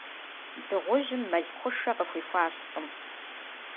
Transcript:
Дыгъужьым мэл хъушэ къыхуихуащ лӏым.